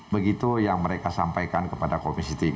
begitu yang mereka sampaikan kepada komisi tiga